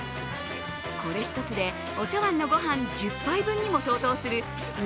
これ一つでお茶碗のご飯１０杯分にも相当する２３００